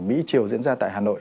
mỹ triều diễn ra tại hà nội